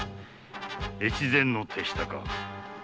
越前の手下か？